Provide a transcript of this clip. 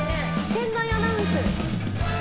店内アナウンスで。